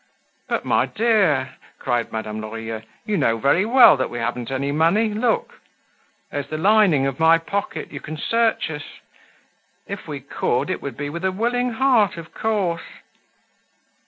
"But, my dear," cried Madame Lorilleux. "You know very well that we haven't any money! Look! There's the lining of my pocket. You can search us. If we could, it would be with a willing heart, of course."